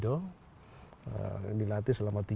dilatih selama tiga minggu di situ membentuk karakter